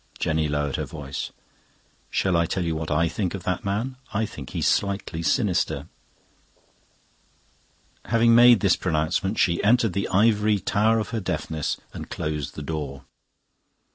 Jenny lowered her voice. "Shall I tell you what I think of that man? I think he's slightly sinister." Having made this pronouncement, she entered the ivory tower of her deafness and closed the door.